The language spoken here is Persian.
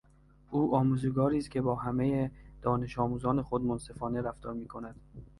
او آموزگاری است که با همهی دانشآموزان خود منصفانه رفتار میکند.